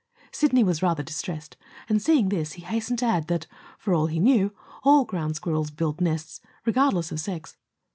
Sidney was rather distressed, and, seeing this, he hastened to add that, for all he knew, all ground squirrels built nests, regardless of sex.